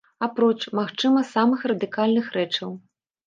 Апроч, магчыма, самых радыкальных рэчаў.